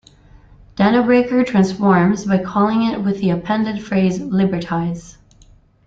Dinobreaker transforms by calling it with the appended phrase 'libertize'.